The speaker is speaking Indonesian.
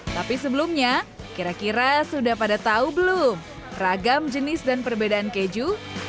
tapi sebelumnya kira kira sudah pada tahu belum ragam jenis dan perbedaan keju